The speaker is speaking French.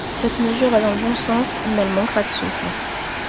Cette mesure va dans le bon sens, mais elle manquera de souffle.